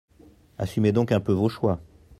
Assumez donc un peu vos choix.